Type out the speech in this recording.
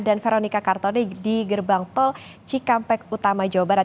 dan veronica kartone di gerbang tol cikampek utama jawa barat